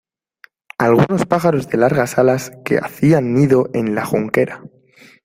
algunos pájaros de largas alas, que hacían nido en la junquera